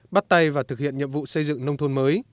bắt tay và thực hiện nhiệm vụ xây dựng nông thôn mới